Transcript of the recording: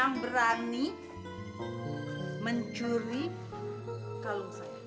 yang berani mencuri kalung saya